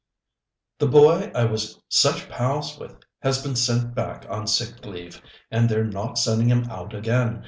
"The boy I was such pals with has been sent back on sick leave, and they're not sending him out again.